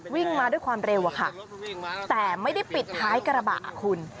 วิ่งมาด้วยความเร็วอะค่ะแต่ไม่ได้ปิดท้ายกระบะคุณ